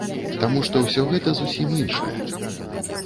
Таму што ўсё гэта зусім іншае.